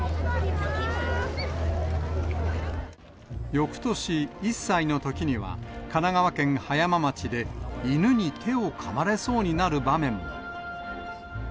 よくとし、１歳のときには、神奈川県葉山町で犬に手をかまれそうになる場面も。